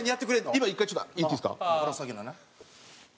今１回ちょっといっていいですか？